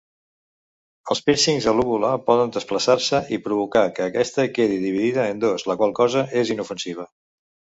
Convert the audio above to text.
Els pírcings a l'úvula poden desplaçar-se i provocar que aquesta quedi dividida en dos, la qual cosa és inofensiva.